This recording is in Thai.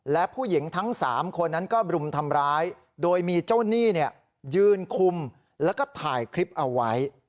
และผู้หญิงทั้ง๓คนนั้นก็รุมทำร้ายโดยมีเจ้าหนี้ยืนคุมแล้วก็ถ่ายคลิปเอาไว้